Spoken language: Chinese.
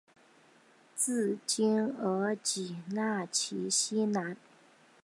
治今额济纳旗西南。